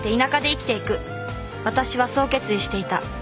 わたしはそう決意していた。